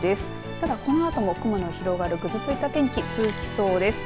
ただこの後も雲も広がりぐずついた天気続きそうです。